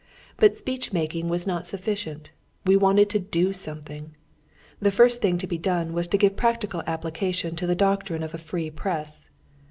But speech making was not sufficient, we wanted to do something. The first thing to be done was to give practical application to the doctrine of a free press.